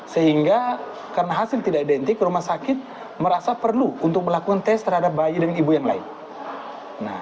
sehingga karena hasil tidak identik rumah sakit merasa perlu untuk melakukan tes terhadap bayi dan ibu yang lain